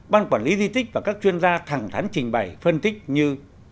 ban quản lý di tích và các chuyên gia thẳng thắn trình bày phân tích như